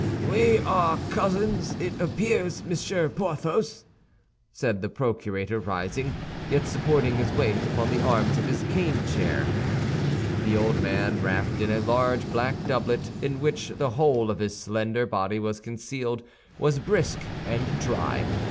"We are cousins, it appears, Monsieur Porthos?" said the procurator, rising, yet supporting his weight upon the arms of his cane chair. The old man, wrapped in a large black doublet, in which the whole of his slender body was concealed, was brisk and dry.